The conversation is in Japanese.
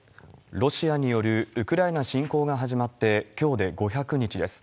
ロシアによるウクライナ侵攻が始まって、きょうで５００日です。